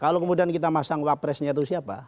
kalau kemudian kita masang wapresnya itu siapa